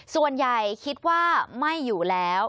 ส่วนใหญ่คิดว่าไม่อยู่แล้ว